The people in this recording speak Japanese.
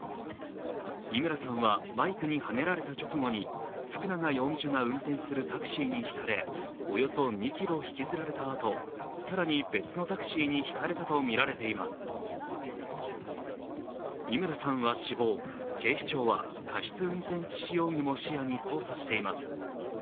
伊村さんはバイクにはねられた直後に福永容疑者が運転するタクシーにひかれおよそ２ｋｍ引きずられた後、更に別のタクシーにひかれたとみられています伊村さんは死亡、警視庁は過失運転致死容疑も視野に捜査しています。